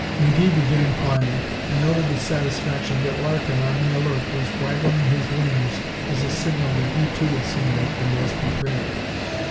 McGee began climbing, and noted with satisfaction that Larkin, on the alert, was waggling his wings as a signal that he too had seen them and was prepared.